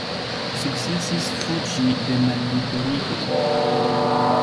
Sukcesis fuĝi de malliberigo.